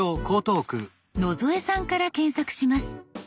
野添さんから検索します。